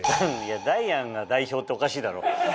ダイアンが代表っておかしいだろ。